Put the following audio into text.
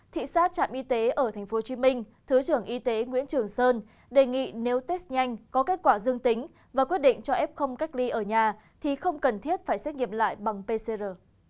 thị sát trạm y tế ở tp hcm thứ trưởng y tế nguyễn trường sơn đề nghị nếu test nhanh có kết quả dương tính và quyết định cho f cách ly ở nhà thì không cần thiết phải xét nghiệm lại bằng pcr